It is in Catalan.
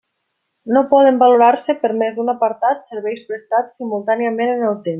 No poden valorar-se per més d'un apartat serveis prestats simultàniament en el temps.